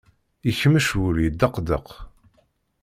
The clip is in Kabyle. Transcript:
Yekmec wul yeddeqdeq.